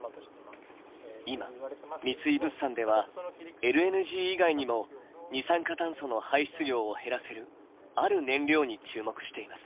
今三井物産ではＬＮＧ以外にも二酸化炭素の排出量を減らせる「ある燃料」に注目しています。